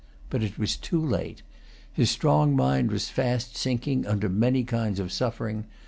But it was too late. His strong mind was fast sinking under many kinds of suffering.